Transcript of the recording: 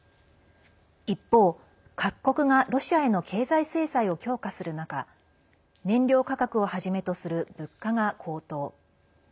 一方、各国がロシアへの経済制裁を強化する中燃料価格をはじめとする物価が高騰。